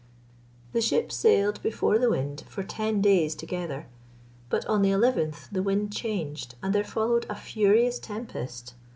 The ship sailed before the wind for ten days together, but on the eleventh the wind changed, and there followed a furious tempest.